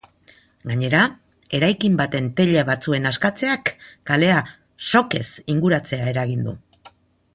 Gainera, eraikin baten teila batzuen askatzeak kalea sokez inguratzea eragin du.